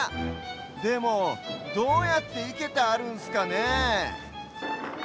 でもどうやっていけてあるんすかねえ？